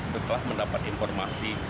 setelah mendapat informasi